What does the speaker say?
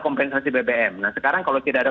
kompensasi bbm nah sekarang kalau tidak ada